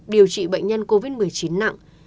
điều trị bệnh nhân covid một mươi chín nặng